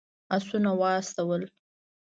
آسونه واستول.